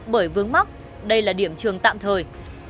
bởi vướng móc đây là điểm trường tạm thời